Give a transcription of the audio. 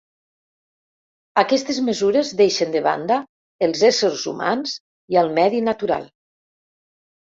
Aquestes mesures deixen de banda els éssers humans i al medi natural.